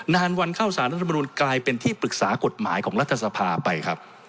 นานวันเข้าสารรัฐมนุนกลายเป็นที่ปรึกษากฎหมายของรัฐสภาไปครับ